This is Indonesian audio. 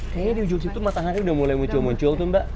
kayaknya di ujung situ matahari udah mulai muncul muncul tuh mbak